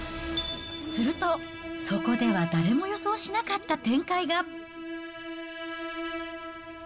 すると、そこではだれも予想しなかった展開が。